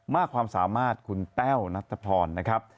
มากความสามารถคุณแต้วนัทพรนะครับ